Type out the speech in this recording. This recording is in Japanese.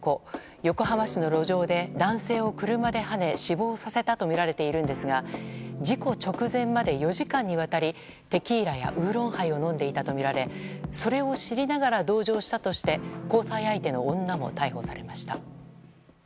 横浜市の路上で、男性を車ではね死亡させたとみられているんですが事故直前まで４時間にわたりテキーラやウーロンハイを飲んでいたとみられそれを知りながら同乗したとして交際相手の女も逮捕されました。